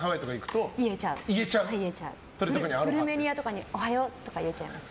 プルメニアとかにおはようとか言っちゃいます。